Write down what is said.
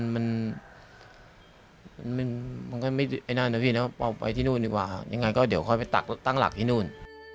มันก็ไม่ไอ้นั่นนะพี่นะเอาไปที่นู่นดีกว่ายังไงก็เดี๋ยวค่อยไปตั้งหลักที่นู่น